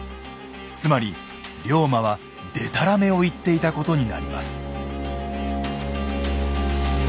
つまり龍馬はデタラメを言っていたことになります。